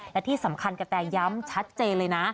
และที่สำคัญกะแตย้ำชัดเจนเลยนะ